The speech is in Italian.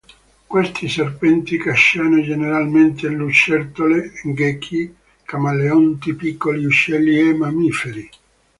Questi serpenti cacciano generalmente lucertole, gechi, camaleonti, piccoli uccelli e mammiferi.